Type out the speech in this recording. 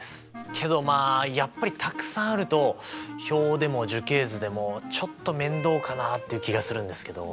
けどまあやっぱりたくさんあると表でも樹形図でもちょっと面倒かなっていう気がするんですけど。